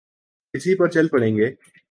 اسی پر چل پڑیں گے۔